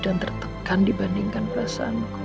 dan tertekan dibandingkan perasaanku